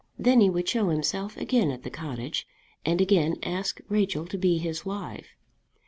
Then he would show himself again at the cottage, and again ask Rachel to be his wife.